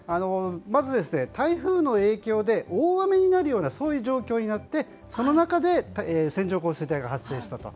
まず、台風の影響で大雨になるような状況になってその中で線状降水帯が発生したと。